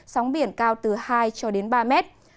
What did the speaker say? sóng biển cao từ hai cho đến ba mét